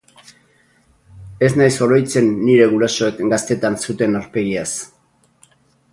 Ez naiz oroitzen nire gurasoek gaztetan zuten aurpegiaz.